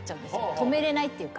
止められないというか。